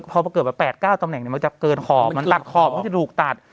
พอเกิดแบบแปดเก้าตำแหน่งเนี้ยมันจะเกินขอบมันตัดขอบมันจะหลุกตัด